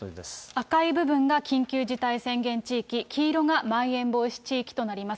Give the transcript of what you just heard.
赤い部分が緊急事態宣言地域、黄色がまん延防止地域となります。